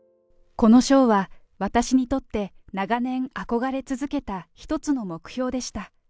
この賞は、私にとって長年憧れ続けた一つの目標でした。